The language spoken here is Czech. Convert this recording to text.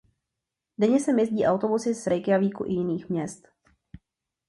Denně sem jezdí autobusy z Reykjavíku i jiných měst.